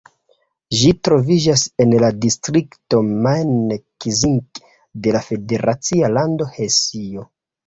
Ĝi troviĝas en la distrikto Main-Kinzig de la federacia lando Hesio.